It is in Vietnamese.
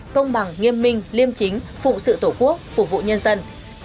công bằng nghiêm minh liêm chính phụ sự tổ quốc phục vụ nhân dân